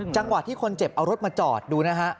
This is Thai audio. จังหวะที่คนเจ็บเอารถมาจอดดูนะฮะ